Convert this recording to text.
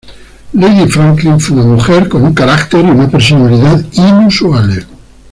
Lady Franklin fue una mujer con un carácter y una personalidad inusuales.